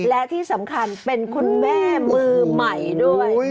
และที่สำคัญเป็นคุณแม่มือใหม่ด้วย